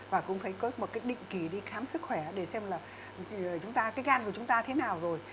và cũng phải có một cái định kỳ đi khám sức khỏe để xem là chúng ta cái gan của chúng ta thế nào rồi